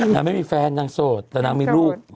น้ำไม่มีแฟนน้ำโสดแต่น้ำมีลูก